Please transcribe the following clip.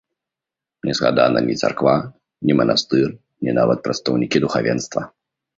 Не згадана ні царква, ні манастыр, ні нават прадстаўнікі духавенства.